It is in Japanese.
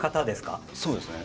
そうですね。